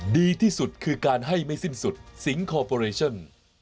ดีที่สุดคือการให้ไม่สิ้นสุดสิงคอร์ปอเรชั่น